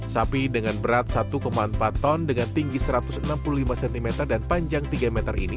sapi dengan berat satu empat ton dengan tinggi satu ratus enam puluh lima cm dan panjang tiga meter ini